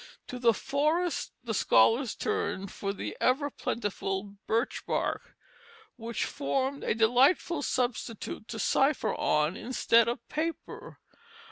To the forest the scholars turned for the ever plentiful birch bark, which formed a delightful substitute to cipher on instead of paper.